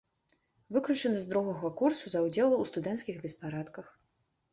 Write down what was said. Выключаны з другога курсу за ўдзел у студэнцкіх беспарадках.